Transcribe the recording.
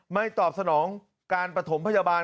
ตอบสนองการปฐมพยาบาล